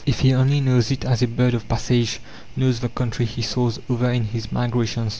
If he only knows it as a bird of passage knows the country he soars over in his migrations?